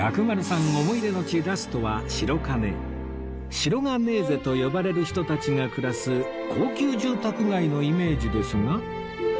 シロガネーゼと呼ばれる人たちが暮らす高級住宅街のイメージですが